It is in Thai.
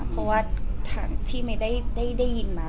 เพราะว่าถ่างที่ไม่ได้ได้ยินมาแหละ